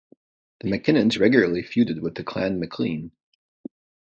The Mackinnons regularly feuded with the Clan Maclean.